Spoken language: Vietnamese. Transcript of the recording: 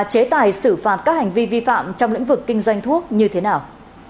chế tài xử phạt các hành vi vi phạm trong lĩnh vực kinh doanh thuốc như thế nào